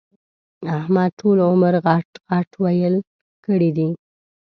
احمد ټول عمر غټ ِغټ ويل کړي دي.